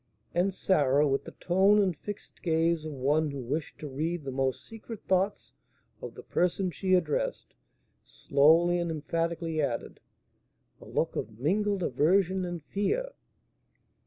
and Sarah, with the tone and fixed gaze of one who wished to read the most secret thoughts of the person she addressed, slowly and emphatically added, "a look of mingled aversion and fear!"